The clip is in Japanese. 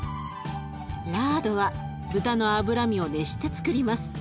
ラードは豚の脂身を熱してつくります。